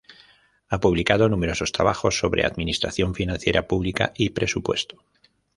Ha publicado numerosos trabajos sobre administración financiera pública y presupuesto.